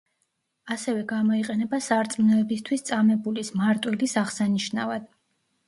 ასევე გამოიყენება სარწმუნოებისთვის წამებულის, მარტვილის აღსანიშნავად.